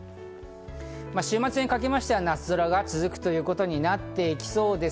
週末にかけましては夏空が続くということになっていきそうです。